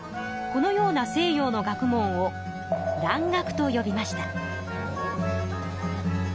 このような西洋の学問を蘭学とよびました。